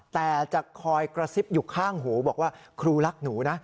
แต่จะคอยกระซิบอยู่ข้างหูบอกว่าครูรักหนูนะ